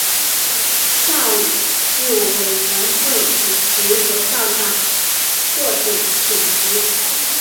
校务委员会主席和校长获准请辞。